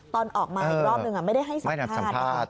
ตอนออกมาอีกรอบนึงไม่ได้ให้สัมภาษณ์นะคะ